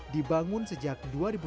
dibangun sejak dua ribu tujuh belas